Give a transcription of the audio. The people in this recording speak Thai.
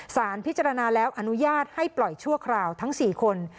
สารพิจารณาแล้วอนุญาตให้ปล่อยชั่วคราวทั้ง๔คน